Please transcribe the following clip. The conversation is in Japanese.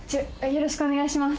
よろしくお願いします